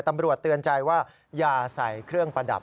เตือนใจว่าอย่าใส่เครื่องประดับ